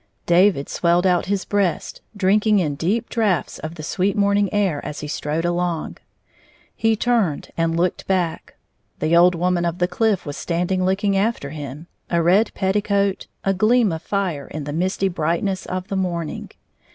David swelled out his breast, drinking in deep draughts of the sweet morning air as he strode along. He turned and looked back. The old woman of the cliflf was standing looking after him, a red petticoat, a gleam of fire in the misty brightness of the morning.